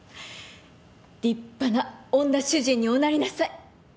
立派な女主人におなりなさい。